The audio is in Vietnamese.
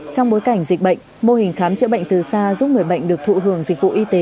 trong bối cảnh dịch bệnh mô hình khám chữa bệnh từ xa giúp người bệnh được thụ hưởng dịch vụ y tế